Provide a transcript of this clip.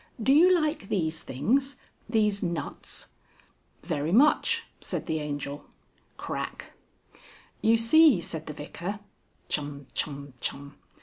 "Do you like these things these nuts?" "Very much," said the Angel. Crack. "You see," said the Vicar (Chum, chum, chum).